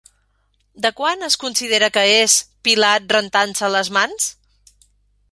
De quan es considera que és Pilat rentant-se les mans?